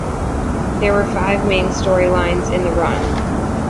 There were five main storylines in the run.